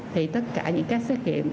thì tất cả những các xét nghiệm